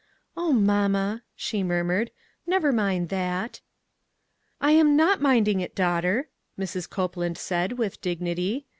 " O, mamma !" she murmured, " never mind that." " I am not minding it, daughter," Mrs. Copeland said, with dignity.